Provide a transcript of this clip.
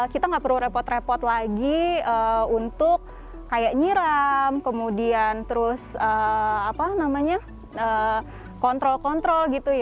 kita tidak perlu repot repot lagi untuk nyiram kontrol kontrol